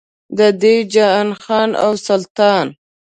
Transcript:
د دې جهان خان او سلطان.